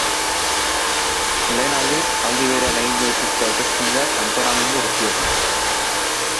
Lehen aldiz, aldi berean egingo dituzte hauteskundeak kantonamendu guztietan.